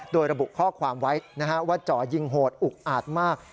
โดยระบุข้อความไว้ว่าจ่อยิงโหดอุกอาจมาก